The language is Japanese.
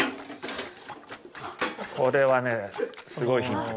これはねすごいヒント。